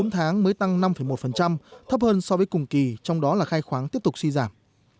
bốn tháng mới tăng năm một thấp hơn so với cùng kỳ trong đó là khai khoáng tiếp tục suy giảm